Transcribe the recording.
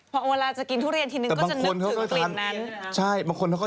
พอเวลาจะกินทุเรียนทีนึงก็จะนึกถึงกลิ่นนั้น